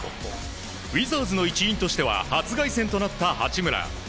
ウィザーズの一員としては初対戦となった八村。